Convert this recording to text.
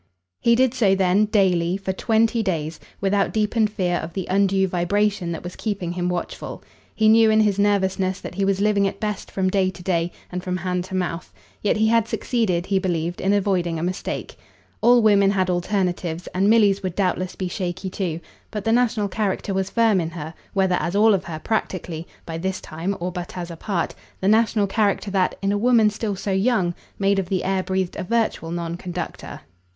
He did so then, daily, for twenty days, without deepened fear of the undue vibration that was keeping him watchful. He knew in his nervousness that he was living at best from day to day and from hand to mouth; yet he had succeeded, he believed, in avoiding a mistake. All women had alternatives, and Milly's would doubtless be shaky too; but the national character was firm in her, whether as all of her, practically, by this time, or but as a part; the national character that, in a woman still so young, made of the air breathed a virtual non conductor.